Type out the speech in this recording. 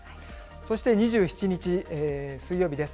そして２７日水曜日です。